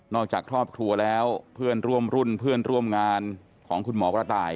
จากครอบครัวแล้วเพื่อนร่วมรุ่นเพื่อนร่วมงานของคุณหมอกระต่าย